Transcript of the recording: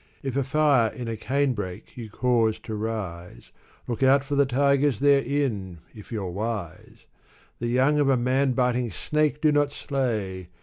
If a fire in a cane brake you cause to rise, Look out for the tigers therein, if youVe wise ! The young of a man biting snake do not slay